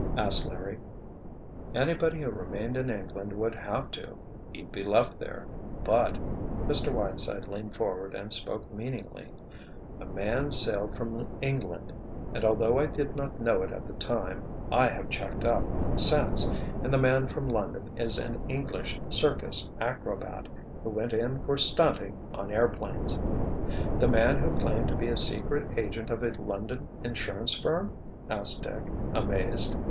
asked Larry. "Anybody who remained in England would have to—he'd be left there. But—" Mr. Whiteside leaned forward and spoke meaningly, "—a man sailed from England—and although I did not know it at the time, I have checked up, since, and the man from London is an English circus acrobat—who went in for 'stunting' on airplanes." "The man who claimed to be a secret agent of a London insurance firm?" asked Dick, amazed.